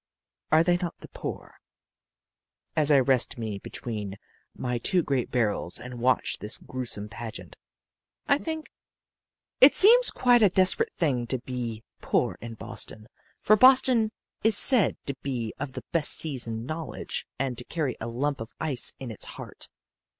Are they not the poor? "As I rest me between my two great barrels and watch this grewsome pageant, I think: It seems a quite desperate thing to be poor in Boston, for Boston is said to be of the best seasoned knowledge and to carry a lump of ice in its heart.